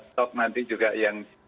stok nanti juga yang